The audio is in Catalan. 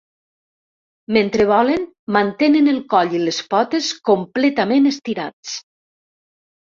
Mentre volen mantenen el coll i les potes completament estirats.